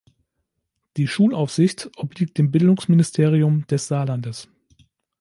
Die Schulaufsicht obliegt dem Bildungsministerium des Saarlandes.